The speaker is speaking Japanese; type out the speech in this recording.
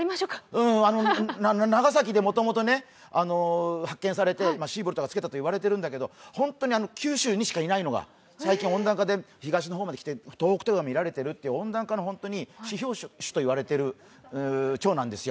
長崎でもともと発見されて、シーボルトがつけたと言われているんだけど、九州にしかいないのが最近、温暖化で東に来て東北とか見られているという温暖化の指標種と言われているちょうなんですよ。